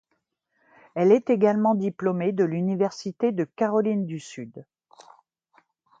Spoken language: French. Elle est également diplômée de l'Université de Caroline du Sud.